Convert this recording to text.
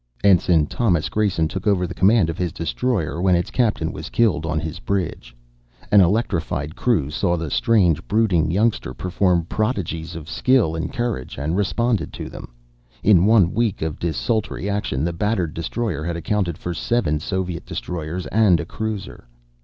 Ensign Thomas Grayson took over the command of his destroyer when its captain was killed on his bridge. An electrified crew saw the strange, brooding youngster perform prodigies of skill and courage, and responded to them. In one week of desultory action the battered destroyer had accounted for seven Soviet destroyers and a cruiser.